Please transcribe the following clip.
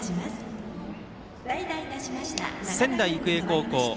仙台育英高校